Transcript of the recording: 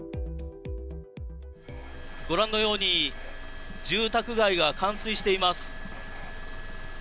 ご覧のように住宅街が冠水しています。